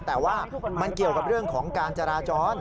แต่ว่ามันเกี่ยวกับเรื่องของการจราจร